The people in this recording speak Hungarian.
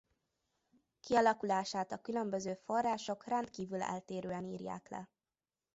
Kialakulását a különböző források rendkívül eltérően írják le.